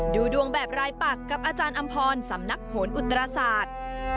ดูดวงแบบรายปักกับอาจารย์อำพรสำนักโหนอุตราศาสตร์